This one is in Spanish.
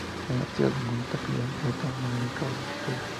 En la Universidad de Montpellier retoma y acaba sus estudios.